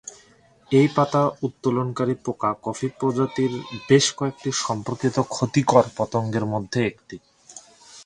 এই পাতা উত্তোলনকারী পোকা কফি প্রজাতির বেশ কয়েকটি সম্পর্কিত ক্ষতিকর পতঙ্গের মধ্যে একটি।